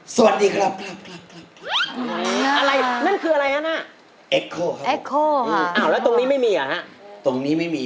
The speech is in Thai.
สวัสดีครับครับอะไรมันคืออะไรนะเนี่ยเอ็กโค่แล้วตรงนี้ไม่มีนะตรงนี้ไม่มี